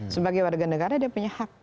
sebagai warga negara dia punya hak